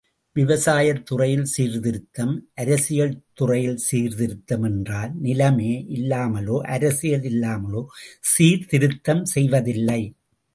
விவசாயத்துறையில் சீர்திருத்தம் அரசியல் துறையில் சீர்திருத்தம் என்றால், நிலமே இல்லாமலோ அரசியலே இல்லாமலோ சீர்திருத்தம் செய்வதில்லை.